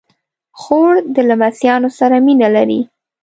خور د لمسيانو سره مینه لري.